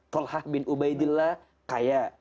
tolhah bin ubaidillah kaya